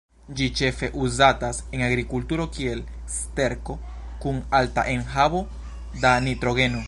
Ĝi ĉefe uzatas en agrikulturo kiel sterko kun alta enhavo da nitrogeno.